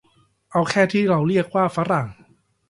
เอาแค่ที่เราเรียกว่า ฝรั่ง